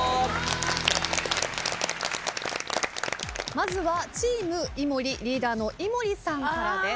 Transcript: まずはチーム井森リーダーの井森さんからです。